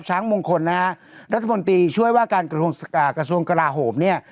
ช้างมงคลนะฮะรัฐมนตรีช่วยว่าการกระทรวงกลาโหมเนี่ย